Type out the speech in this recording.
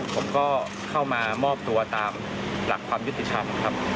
ผมก็เข้ามามอบตัวตามหลักความยุติธรรมครับ